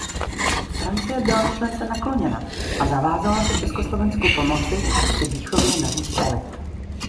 Francie byla myšlence nakloněna a zavázala se Československu pomoci při výchově nových elit.